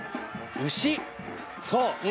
そう！